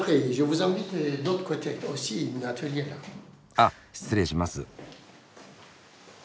あっ失礼します。